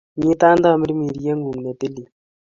Nyita tamirmiriet ng'ung' ne tilil.